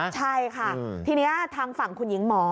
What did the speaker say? ใช่ค่ะทีนี้ทางฝั่งคุณหญิงหมอ